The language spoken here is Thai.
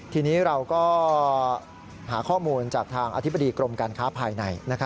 ทีนี้เราก็หาข้อมูลจากทางอธิบดีกรมการค้าภายใน